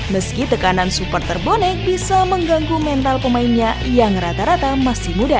meski tekanan supporter bonek bisa mengganggu mental pemainnya yang rata rata masih muda